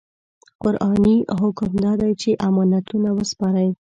قرآني حکم دا دی چې امانتونه وسپارئ.